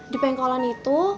di pengkolan itu